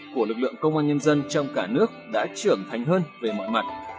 của lực lượng công an nhân dân trong cả nước đã trưởng thành hơn về mọi mặt